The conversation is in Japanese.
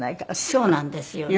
そうなんですよね。